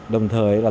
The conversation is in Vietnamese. đồng thời là giảm bớt